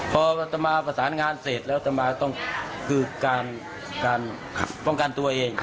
พออัตมาประสานงานเสร็จแล้วจะมาต้องคือการป้องกันตัวเอง